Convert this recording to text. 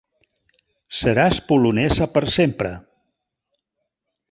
Seràs polonesa per sempre.